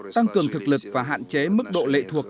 tăng cường thực lực và hạn chế mức độ lệ thuộc